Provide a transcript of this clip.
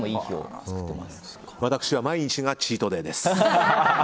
私は毎日がチートデーです。